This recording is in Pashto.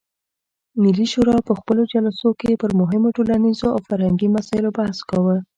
ملي شورا په خپلو جلسو کې پر مهمو ټولنیزو او فرهنګي مسایلو بحث کاوه.